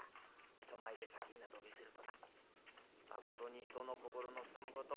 人前で砂金など見せるとなまことに人の心のすさむこと